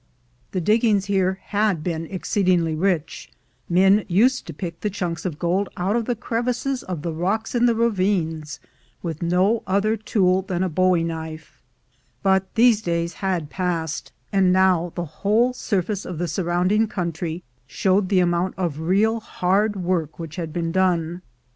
The diggings here had been exceedingly rich — men used to pick the chunks of gold out of the crevices of the rocks in the ravines with no other tool than a bowie knife; but these days had passed, and now the whole surface of the surrounding country showed the amount of real hard work which had been done.